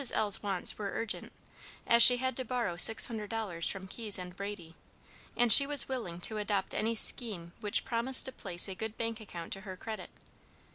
L.'s wants were urgent, as she had to borrow $600 from Keyes and Brady, and she was willing to adopt any scheme which promised to place a good bank account to her credit.